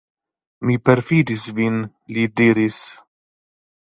Mi perﬁdis vin, li diris.